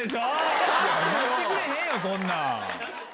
そんなん。